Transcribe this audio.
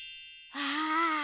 わあ。